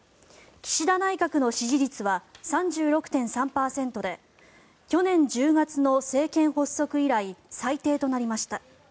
岸田内閣の支持率は３６．３％で去年１０月の政権発足以来最低となりました。